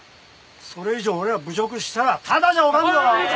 それ以上俺らを侮辱したらただじゃおかんぞ！